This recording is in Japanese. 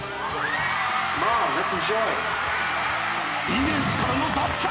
［イメージからの脱却］